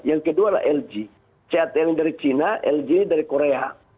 yang kedua adalah lg catl dari cina lg dari korea